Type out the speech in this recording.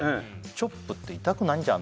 チョップって痛くないじゃん？